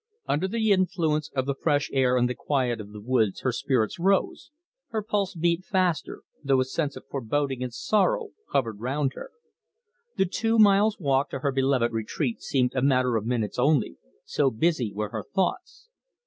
Under the influence of the fresh air and the quiet of the woods her spirits rose, her pulse beat faster, though a sense of foreboding and sorrow hovered round her. The two miles walk to her beloved retreat seemed a matter of minutes only, so busy were her thoughts.